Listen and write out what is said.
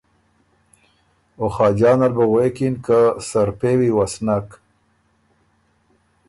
او خاجان ال بُو غوېکِن که سرپېوی وه سو نک۔